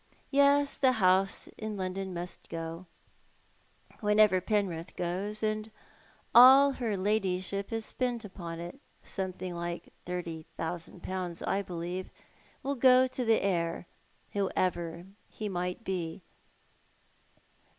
Yes, the house in London must go — whenever Penrith goes — and all her ladyship has spent n])on it — something like thirty thousand pounds, I believe — will go to the heir, whoever he may be."